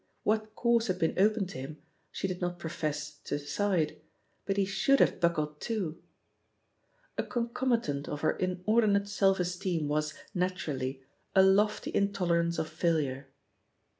What course had been open to him she did not profess to decide, but he should have buckled to! A concomitant of her inordi nate self esteem was, naturaUy^ a lofty intoler ance of failure.